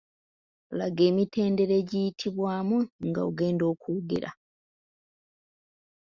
Laga emitendera egiyitibwamu nga ogenda okwogera .